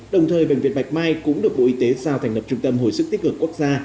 đồng thời bệnh viện bạch mai cũng được bộ y tế giao thành lập trung tâm hồi sức tích cực quốc gia